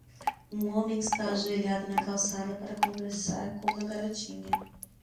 Um homem está ajoelhado na calçada para conversar com uma garotinha.